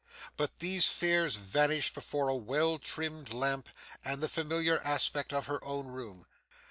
But these fears vanished before a well trimmed lamp and the familiar aspect of her own room.